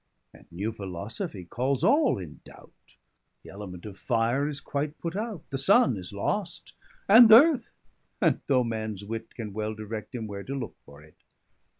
And new Philosophy calls all in doubt, 205 The Element of fire is quite put out; The Sun is lost, and th'earth, and no mans wit Can well direct him where to looke for it.